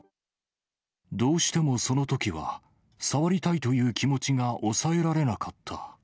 どうしてもそのときは、触りたいという気持ちが抑えられなかった。